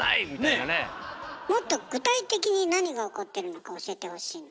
もっと具体的に何が起こってるのか教えてほしいの。